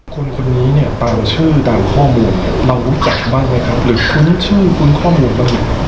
คนนี้เนี่ยตามชื่อตามข้อมูลเรารู้จักบ้างไหมครับหรือคุ้นชื่อคุ้นข้อมูลบ้างไหม